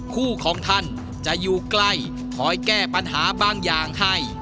คู่ของท่านจะอยู่ใกล้คอยแก้ปัญหาบางอย่างให้